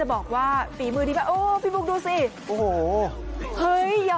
เต็อออกนอกจอได้มั้ย